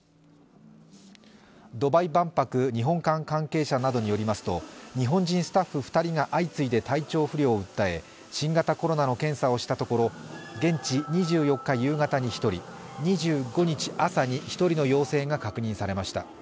ドバイ万博日本館関係者などによりますと、日本人スタッフ２人が相次いで体調不良を訴え、新型コロナの検査をしたところ、現地２４日夕方に１人、２５日朝に１人の陽性が確認されました。